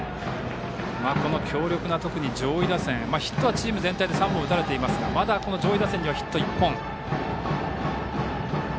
強力な上位打線ヒットはチーム全体で３本打たれていますがまだ上位打線にはヒット１本。